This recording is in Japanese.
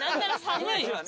寒い。